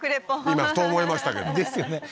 今ふと思いましたけどですよね